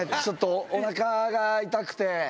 ちょっとお腹が痛くて。